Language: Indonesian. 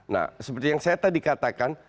nah seperti yang saya tadi katakan